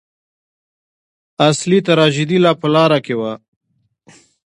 اصلي تراژیدي لا په لاره کې وه.